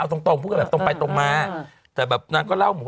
เอาตรงพูดแบบตรงไปตรงมา